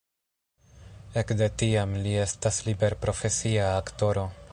Ekde tiam li estas liberprofesia aktoro.